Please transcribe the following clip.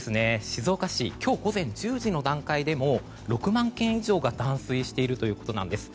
静岡市今日午前１０時の段階でも６万軒以上が断水しているということなんです。